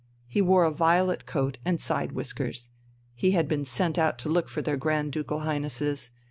He wore a violet coat and side whiskers. He had been sent out to look for their Grand Ducal Highnesses.